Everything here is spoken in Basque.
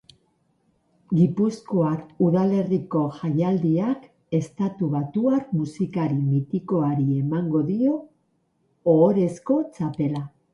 Gipuzkoar udalerriko jaialdiak estatubatuar musikari mitikoari emango dio ohorezko txapela.